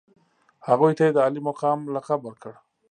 هغوی ته یې د عالي مقام لقب ورکړ.